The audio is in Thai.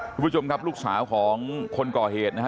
คุณผู้ชมครับลูกสาวของคนก่อเหตุนะฮะ